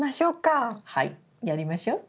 はいやりましょ。